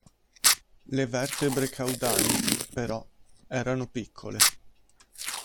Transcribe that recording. Le vertebre caudali, però, erano piccole.